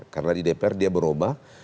karena di dpr dia berubah